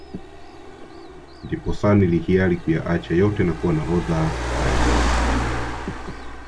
Ndiposa nilihiari kuyaacha yote na kuwa nahodha maiti